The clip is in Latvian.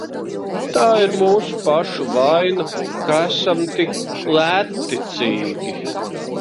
Tā ir mūsu pašu vaina, ka esam tik lētticīgi.